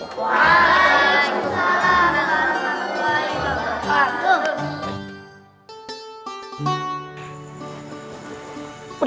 waalaikumsalam warahmatullahi wabarakatuh